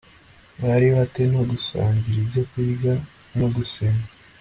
bari ba te no gusangira ibyokurya m no gusenga